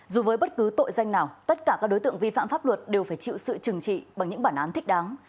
dù với bất cứ tội danh nào tất cả các đối tượng vi phạm pháp luật đều phải chịu sự trừng trị bằng những bản án thích đáng